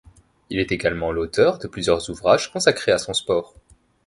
Il est également l'auteur de plusieurs ouvrages consacrés à son sport.